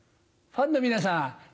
ファンの皆さん